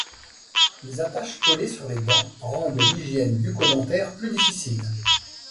Les attaches collées sur les dents rendent l'hygiène bucco-dentaire plus difficile.